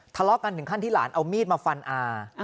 ทะเลาะกันถึงขั้นที่หลานเอามีดมาฟันอา